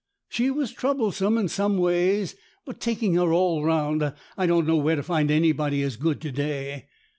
She was troublesome in some ways, but, taking her all round, I don't know where to find anybody as good to day.